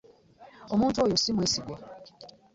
Omuntu oyo si mwesigwa.